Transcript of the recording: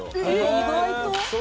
意外と？